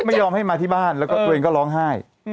ไม่ยอมให้มาที่บ้านแล้วก็ตัวเองก็ร้องไห้